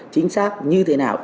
chính xác như thế nào